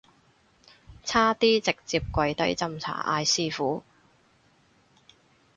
差啲直接跪低斟茶嗌師父